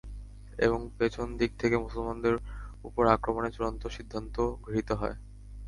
এবং পেছন দিক থেকে মুসলমানদের উপর আক্রমণের চূড়ান্ত সিদ্ধান্ত গৃহীত হয়।